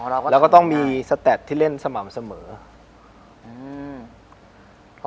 อ๋อเราก็แล้วก็ต้องมีที่เล่นสม่ำเสมออืม